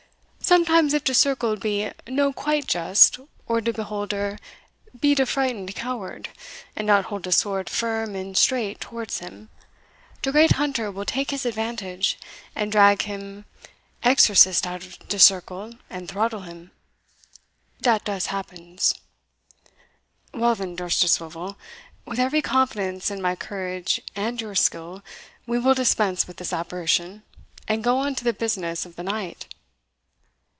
sometimes if de circle be no quite just, or de beholder be de frightened coward, and not hold de sword firm and straight towards him, de Great Hunter will take his advantage, and drag him exorcist out of de circle and throttle him. Dat does happens." "Well then, Dousterswivel, with every confidence in my courage and your skill, we will dispense with this apparition, and go on to the business of the night."